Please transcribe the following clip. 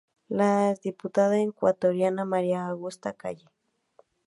La diputada ecuatoriana María Augusta Calle.